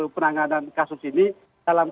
penanganan kasus ini dalam